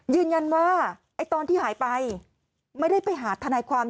ยืนยันว่าตอนที่หายไปไม่ได้ไปหาทนายความ